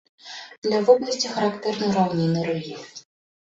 Для вобласці характэрны раўнінны рэльеф.